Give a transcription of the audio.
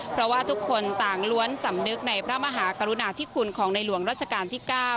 เพราะว่าทุกคนต่างล้วนสำนึกในพระมหากรุณาธิคุณของในหลวงรัชกาลที่๙